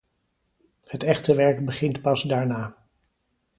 Het echte werk begint pas daarna.